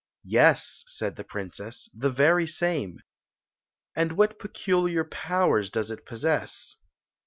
"Yes," said the princess, "the very same." "And what peculiar powers does it posfcss?